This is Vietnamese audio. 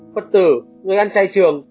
phật tử người ăn chay trường